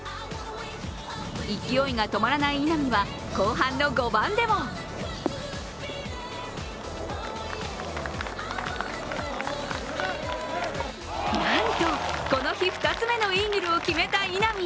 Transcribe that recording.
勢いが止まらない稲見は後半の５番でもなんと、この日２つ目のイーグルを決めた稲見。